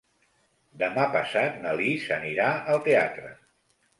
Demà passat na Lis anirà al teatre.